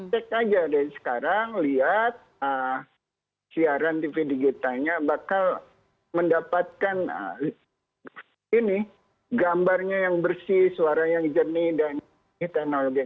cek aja dari sekarang lihat siaran tv digitalnya bakal mendapatkan gambarnya yang bersih suara yang jernih dan teknologi